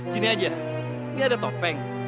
gini aja ini ada topeng